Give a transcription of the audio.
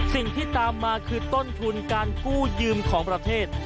สิ่งที่ตามมาคือต้นทุนการกู้ยืมของประเทศ